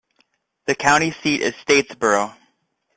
The county seat is Statesboro.